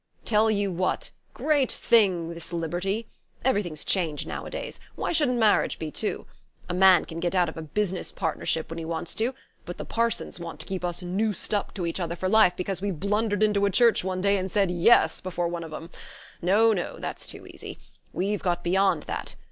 "Tell you what, great thing, this liberty! Everything's changed nowadays; why shouldn't marriage be too? A man can get out of a business partnership when he wants to; but the parsons want to keep us noosed up to each other for life because we've blundered into a church one day and said 'Yes' before one of 'em. No, no that's too easy. We've got beyond that.